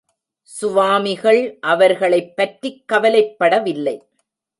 சுவாமிகள், அவர்களைப்பற்றிக் கவலைப்படவில்லை.